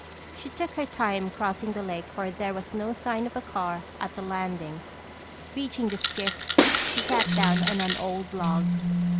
She took her time crossing the lake for there was no sign of a car at the landing. Beaching the skiff she sat down on an old log.